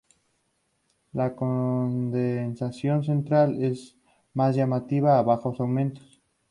La condensación central es más llamativa a bajos aumentos.